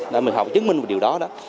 mình học chứng minh điều đó đó